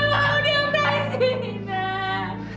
nggak mau dioperasi ina